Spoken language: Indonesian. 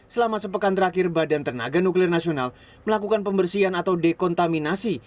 selama sepekan terakhir badan tenaga nuklir nasional melakukan pembersihan atau dekontaminasi